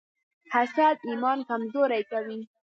حسد ایمان کمزوری کوي.